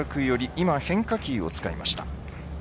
今変化球を使いました。